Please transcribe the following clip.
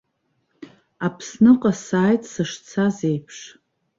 Аԥсныҟа сааит сышцаз еиԥш.